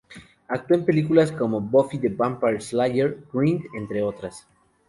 Actuó en películas como "Buffy the Vampire Slayer", "Grind", entre otras.